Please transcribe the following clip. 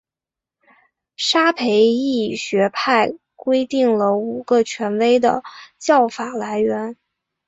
沙斐仪学派规定了五个权威的教法来源。